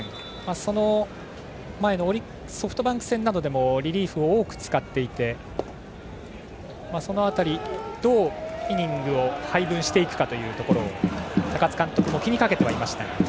その前のソフトバンク戦などでもリリーフを多く使っていてその辺り、どうイニングを配分していくかというところを高津監督も気にかけてはいました。